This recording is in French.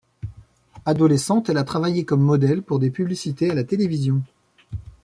Adolescente, elle a travaillé comme modèle pour des publicités à la télévision.